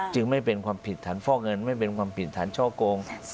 จึงไม่เป็นความผิดฐานฟอกเงินไม่เป็นความผิดฐานช่อโกง